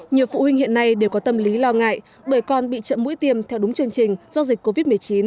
nhiều phụ huynh hiện nay đều có tâm lý lo ngại bởi con bị chậm mũi tiêm theo đúng chương trình do dịch covid một mươi chín